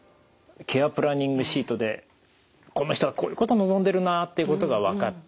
ケア・プランニングシートでこの人はこういうこと望んでるなっていうことが分かった。